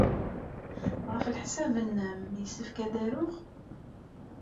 Ɣef leḥsab-nnem, yessefk ad aruɣ?